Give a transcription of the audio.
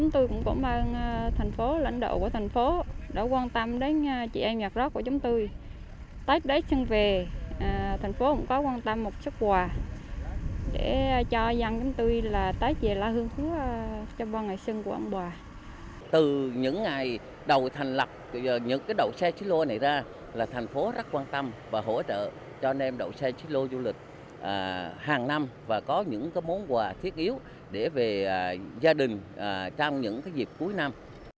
từ những ngày đầu thành lập những cái đậu xe xích lô này ra là thành phố rất quan tâm và hỗ trợ cho nên đậu xe xích lô du lịch hàng năm và có những cái món quà thiết yếu để về gia đình trong những cái dịp cuối năm